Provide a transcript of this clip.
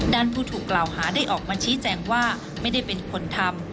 ผู้ถูกกล่าวหาได้ออกมาชี้แจงว่าไม่ได้เป็นคนทำ